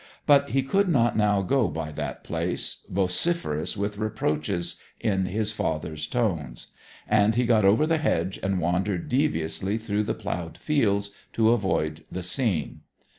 But he could not now go by that place, vociferous with reproaches in his father's tones; and he got over the hedge and wandered deviously through the ploughed fields to avoid the scene.